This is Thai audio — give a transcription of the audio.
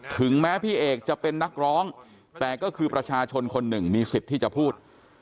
ถึงแม้พี่เอกจะเป็นนักร้องแต่ก็คือประชาชนคนหนึ่งมีสิทธิ์ที่จะพูด